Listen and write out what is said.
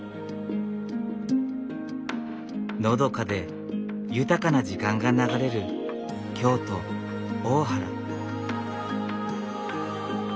のどかで豊かな時間が流れる京都・大原。